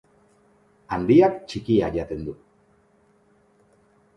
Handiak txikia jaten du.